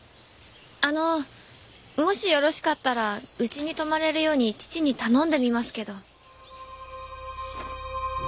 あのもしよろしかったらうちに泊まれるように父に頼んでみますけど。